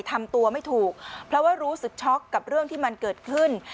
ทำตัวไม่ถูกเพราะว่ารู้สึกช็อกกับเรื่องที่มันเกิดขึ้น